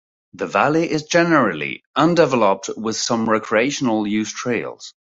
The valley is generally undeveloped, with some recreational use trails.